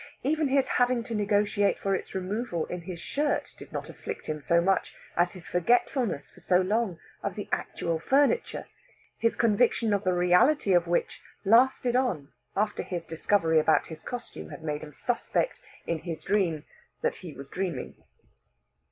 Even his having to negotiate for its removal in his shirt did not afflict him so much as his forgetfulness for so long of the actual furniture; his conviction of the reality of which lasted on after his discovery about his costume had made him suspect, in his dream, that he was dreaming.